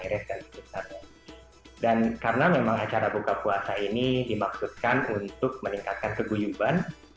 regel dan because karena memang acara buka puasa ini dimaksudkan untuk meningkatkan seguduban